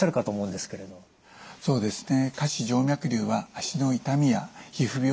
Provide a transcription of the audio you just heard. そうですね。